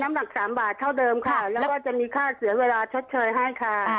หลัก๓บาทเท่าเดิมค่ะแล้วก็จะมีค่าเสียเวลาชดเชยให้ค่ะ